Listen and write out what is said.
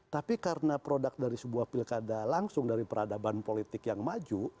tapi karena produk dari sebuah pilkada langsung dari peradaban politik yang maju